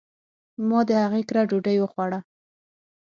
ما د هغي کره ډوډي وخوړه .